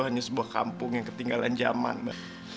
hanya sebuah kampung yang ketinggalan zaman mbak